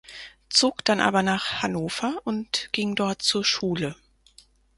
Zog dann aber nach Hannover und ging dort zur Schule.